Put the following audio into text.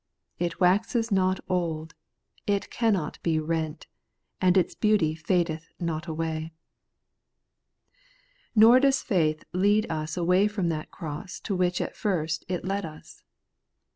* It waxes not old, it cannot be rent, and its beauty fadeth not away. Nor does faith lead us away from that cross to which at first it led us.